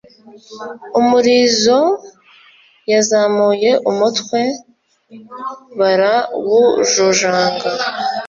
Umurizo yazamuye umutwe barawujojanga